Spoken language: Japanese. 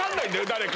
誰か。